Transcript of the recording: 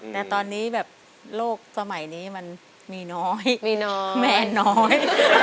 แต่ตอนนี้แบบโลกสมัยนี้มันมีน้อยมีน้อยแมนน้อย